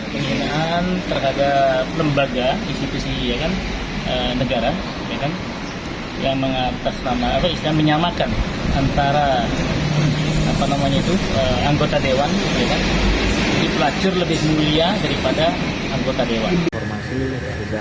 pengiraan terhadap lembaga institusi negara